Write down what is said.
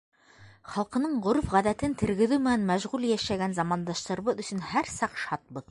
Халҡының ғөрөф-ғәҙәтен тергеҙеү менән мәшғүл йәшәгән замандаштарыбыҙ өсөн һәр саҡ шатбыҙ.